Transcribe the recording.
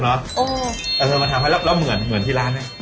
แต่เธอมาทำให้แล้วเหมือนที่ร้านเนี่ย